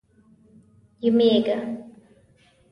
یمېږه.